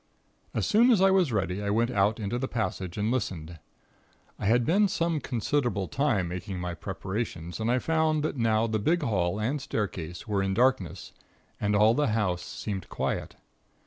"As soon as I was ready I went out into the passage and listened. I had been some considerable time making my preparations and I found that now the big hall and staircase were in darkness and all the house seemed quiet.